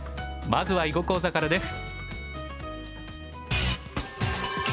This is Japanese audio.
まずは囲碁講座からです。